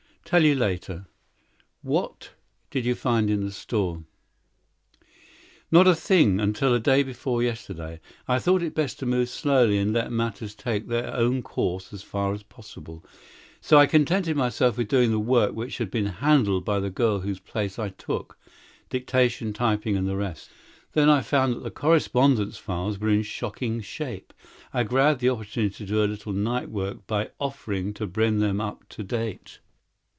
Tell you later. What'd you find in the store?" "Not a thing until day before yesterday. I thought it best to move slowly and let matters take their own course as far as possible. So I contented myself with doing the work which had been handled by the girl whose place I took dictation, typing, and the rest. Then I found that the correspondence files were in shocking shape. I grabbed the opportunity to do a little night work by offering to bring them up to date.